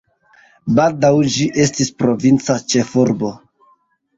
Baldaŭ ĝi estis provinca ĉefurbo.